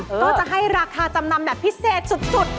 ก็จะให้ราคาจำนำแบบพิเศษสุด